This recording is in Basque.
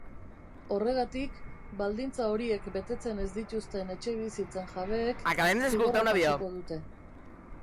Horregatik, baldintza horiek betetzen ez dituzten etxebizitzen jabeek zigorra jasoko dute.